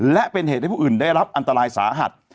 และเป็นเหตุให้ผู้อื่นได้รับอันตรายสาหัส